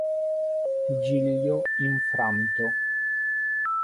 Giglio infranto